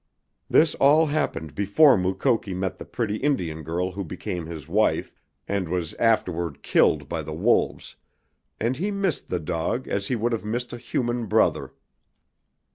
This all happened before Mukoki met the pretty Indian girl who became his wife, and was afterward killed by the wolves, and he missed the dog as he would have missed a human brother.